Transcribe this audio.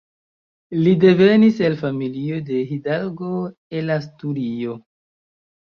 Li devenis el familio de hidalgo el Asturio.